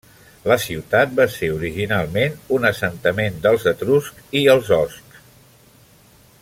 La ciutat va ser originalment un assentament dels etruscs i els oscs.